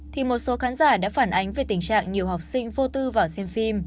thì một số khán giả đã phản ánh về tình trạng nhiều học sinh vô tư vào xem phim